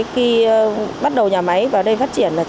khi bắt đầu nhà máy vào đây phát triển